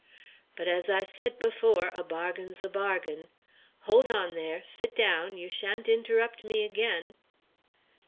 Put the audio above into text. But as I said before, a bargain's a bargain Hold on there! Sit down! You sha'n't interrupt me again!"